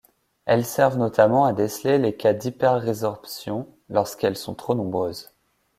Elles servent notamment à déceler les cas d'hyper-résorption lorsqu'elles sont trop nombreuses.